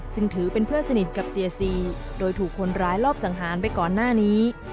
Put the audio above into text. ซึ่งถือเป็นเพื่อนสนิทกับเสียซีโดยถูกคนร้ายรอบสังหารไปก่อนหน้านี้